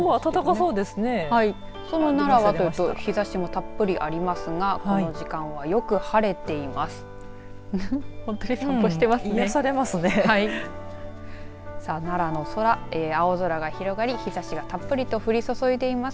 その奈良は日ざしもたっぷりありますがこの時間はよく晴れています。